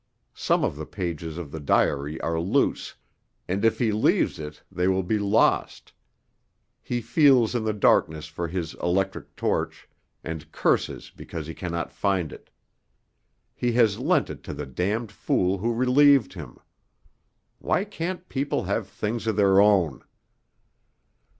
Some of the pages of the diary are loose, and if he leaves it they will be lost; he feels in the darkness for his electric torch, and curses because he cannot find it. He has lent it to the damned fool who relieved him. Why can't people have things of their own?